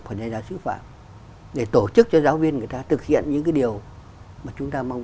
phần này là sứ phạm để tổ chức cho giáo viên người ta thực hiện những cái điều mà chúng ta mong